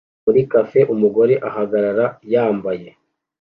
Muri cafe umugore ahagarara yambaye